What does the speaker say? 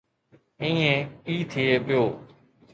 ائين ئي ٿئي پيو.